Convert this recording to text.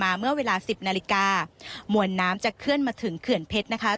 เมื่อเวลาสิบนาฬิกามวลน้ำจะเคลื่อนมาถึงเขื่อนเพชรนะคะ